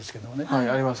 はいあります。